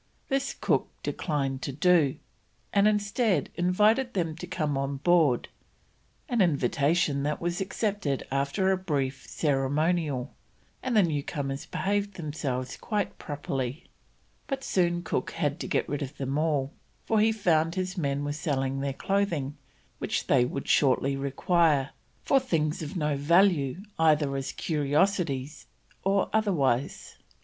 This Cook declined to do, and, instead, invited them to come on board, an invitation that was accepted after a brief ceremonial, and the newcomers behaved themselves quite properly; but soon Cook had to get rid of them all, for he found his men were selling their clothing, which they would shortly require, for things of no value either as curiosities or otherwise.